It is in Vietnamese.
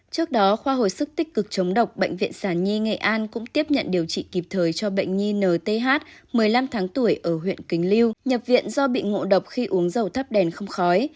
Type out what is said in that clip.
trước đó khoa hồi sức tích cực chống độc bệnh viện sản nhi nghệ an cũng tiếp nhận điều trị kịp thời cho bệnh nhi nth một mươi năm tháng tuổi ở huyện quỳnh lưu nhập viện do bị ngộ độc khi uống dầu thắp đèn không khói